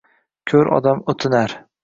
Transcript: Ko’r odam o’tinar